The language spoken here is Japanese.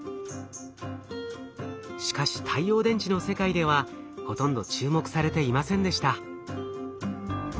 しかし太陽電池の世界ではほとんど注目されていませんでした。